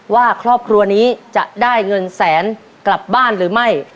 ว่าครอบครัวนี้จะได้เงินแสนกลับบ้านหรือไม่